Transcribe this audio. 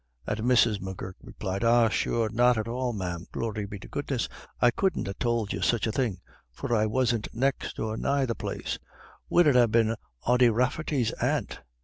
And Mrs. M'Gurk replied, "Ah, sure, not at all, ma'am, glory be to goodness. I couldn't ha' tould you such a thing, for I wasn't next or nigh the place. Would it ha' been Ody Rafferty's aunt?